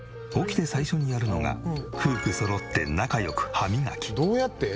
起きて最初にやるのが夫婦そろって仲良く歯磨き。